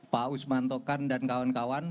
pak usman tokan dan kawan kawan